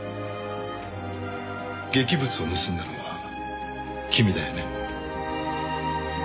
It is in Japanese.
劇物を盗んだのは君だよね。